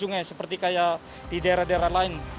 sungai seperti kayak di daerah daerah lain